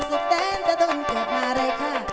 สุดแสนจะต้นเกิดมาเลยค่ะ